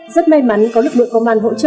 rất may mắn có lực lượng công an hỗ trợ